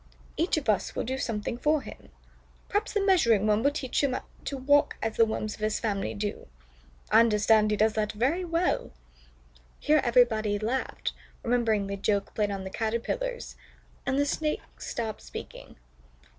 Each of us will do something for him. Perhaps the Measuring Worm will teach him to walk as the Worms of his family do. I understand he does that very well." Here everybody laughed, remembering the joke played on the Caterpillars, and the Snake stopped speaking.